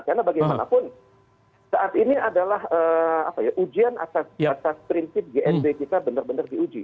karena bagaimanapun saat ini adalah ujian atas prinsip gnb kita benar benar diuji